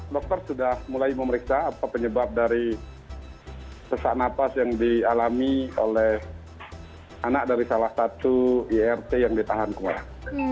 dokter sudah mulai memeriksa apa penyebab dari sesak napas yang dialami oleh anak dari salah satu irt yang ditahan kemarin